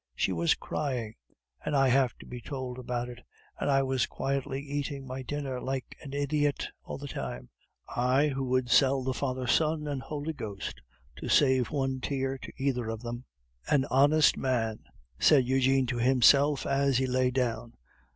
She was crying! and I have to be told about it! and I was quietly eating my dinner, like an idiot, all the time I, who would sell the Father, Son and Holy Ghost to save one tear to either of them." "An honest man!" said Eugene to himself as he lay down.